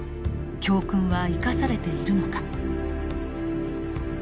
教訓は生かされているのか。